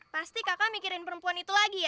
pasti kakak mikirin perempuan itu lagi ya